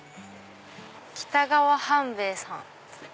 北川半兵衞さん。